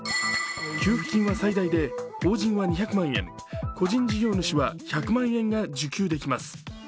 給付金は最大で法人は２００万円、個人事業主は１００万円が受給できます。